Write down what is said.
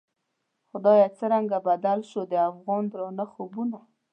خدایه څرنګه بدل شوو، د افغان درانه خوبونه